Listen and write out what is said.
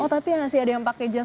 oh tapi yang masih ada yang pakai jas